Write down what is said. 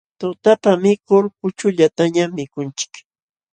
Tutapa mikul puchullatañam mikunchik.